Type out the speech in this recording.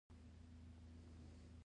د امریکا له لیکنې پرته نقشه کاپي کړئ.